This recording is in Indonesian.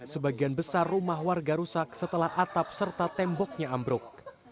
sebagian besar rumah warga rusak setelah atap serta temboknya ambruk